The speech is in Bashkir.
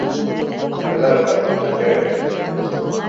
Ҡыҙырасҡа шул ғына кәрәк ине.